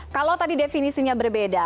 kalau tadi definisinya berbeda